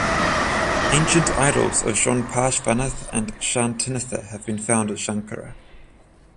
Ancient idols of Jain Parshvanath and Shantinatha have been found at Shankara.